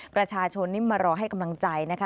ประชาชนนี่มารอให้กำลังใจนะคะ